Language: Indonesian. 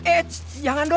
eitss jangan dong